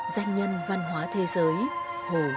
danh nhân văn hóa thế giới hồ chí minh